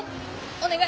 お願い。